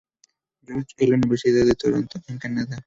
George en la Universidad de Toronto en Canadá.